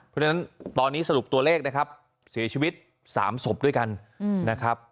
เพราะฉะนั้นตอนนี้สรุปตัวเลขนะครับเสียชีวิต๓ศพด้วยกันนะครับ